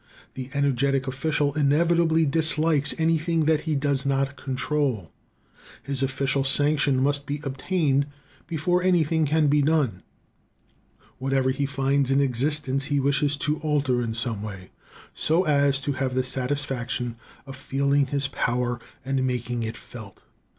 The energetic official inevitably dislikes anything that he does not control. His official sanction must be obtained before anything can be done. Whatever he finds in existence he wishes to alter in some way, so as to have the satisfaction of feeling his power and making it felt.